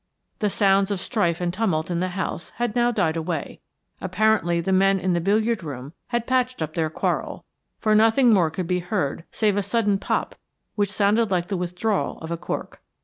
The sounds of strife and tumult in the house had now died away; apparently the men in the billiard room had patched up their quarrel, for nothing more could be heard save a sudden pop which sounded like the withdrawal of a cork.